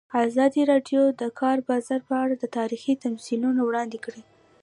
ازادي راډیو د د کار بازار په اړه تاریخي تمثیلونه وړاندې کړي.